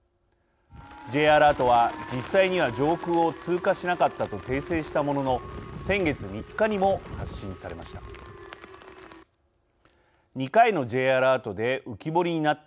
Ｊアラートは、実際には上空を通過しなかったと訂正したものの、先月３日にも発信されました。